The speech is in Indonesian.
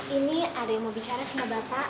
ini ada yang mau bicara sama bapak